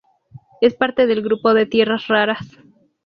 Es parte del grupo de tierras raras.